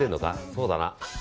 そうだな。